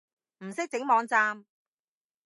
唔識整網站